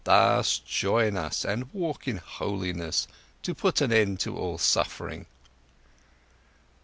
Thus join us and walk in holiness, to put an end to all suffering."